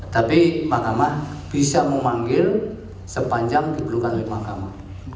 tapi mahkamah bisa memanggil sepanjang diperlukan oleh mahkamah